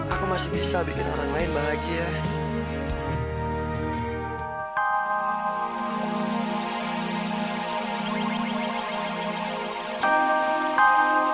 aku masih bisa bikin orang lain bahagia